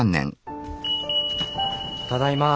ただいま。